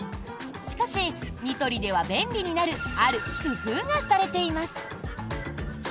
しかし、ニトリでは便利になるある工夫がされています。